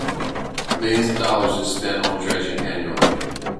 Millions of dollars is spent on dredging annually.